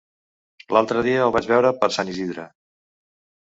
L'altre dia el vaig veure per Sant Isidre.